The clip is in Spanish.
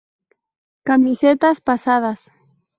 Camisetas Pasadas